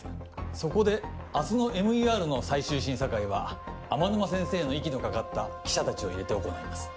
そこで明日のＭＥＲの最終審査会は天沼先生の息のかかった記者達を入れて行います